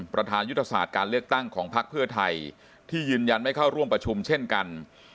ประธานยุทธศาสตร์การเลือกตั้งของพักเพื่อไทยที่ยืนยันไม่เข้าร่วมประชุมเช่นกัน